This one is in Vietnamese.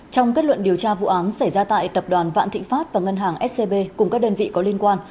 trong kết luận điều tra vụ án xảy ra tại tập đoàn vạn thịnh pháp và ngân hàng scb cùng các đơn vị có liên quan